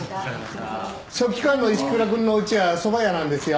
書記官の石倉くんのうちはそば屋なんですよ。